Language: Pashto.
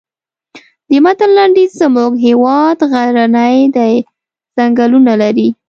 د متن لنډیز زموږ هېواد غرنی دی ځنګلونه لري.